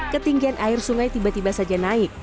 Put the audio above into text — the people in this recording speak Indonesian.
ketinggian air sungai tiba tiba saja naik